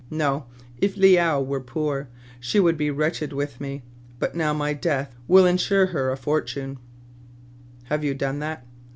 " No : if Le ou were poor, she would be wretched with me; but now my death will insure her a fortune/' " Have you done that